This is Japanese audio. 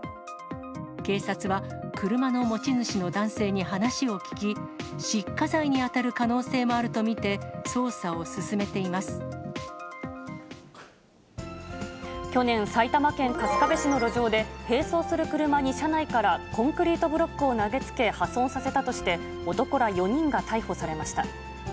警察は、車の持ち主の男性に話を聴き、失火罪に当たる可能性もあると見去年、埼玉県春日部市の路上で、並走する車に車内からコンクリートブロックを投げつけ、破損させたとして、男ら４人が逮捕されました。